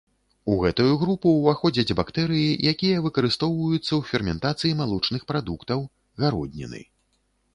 У гэтую групу ўваходзяць бактэрыі, якія выкарыстоўваюцца ў ферментацыі малочных прадуктаў, гародніны.